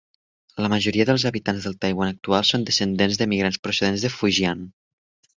La majoria dels habitants del Taiwan actual són descendents d'emigrants procedents de Fujian.